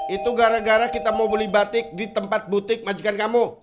itu gara gara kita mau beli batik di tempat butik majikan kamu